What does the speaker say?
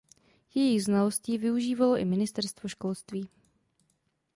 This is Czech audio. Jejích znalostí využívalo i ministerstvo školství.